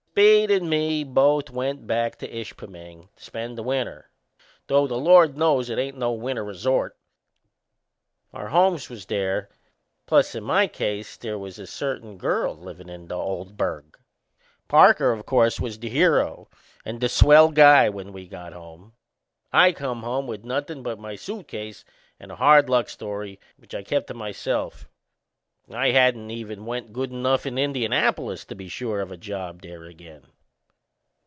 Speed and me both went back to Ishpeming to spend the winter though the Lord knows it ain't no winter resort. Our homes was there; and besides, in my case, they was a certain girl livin' in the old burg. Parker, o' course, was the hero and the swell guy when we got home. He'd been in the World's Serious and had plenty o' dough in his kick. I come home with nothin' but my suitcase and a hard luck story, which I kept to myself. I hadn't even went good enough in Indianapolis to be sure of a job there again.